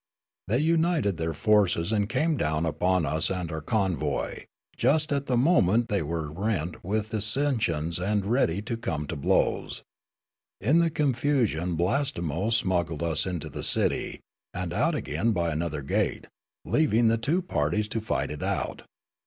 They united their forces and came down upon us and our convoy, just at the moment that they were rent with dissensions and ready to come to blows. In the confusion Blastemo smuggled us into the citj^, and out again by another gate, leaving the two parties to fight it out.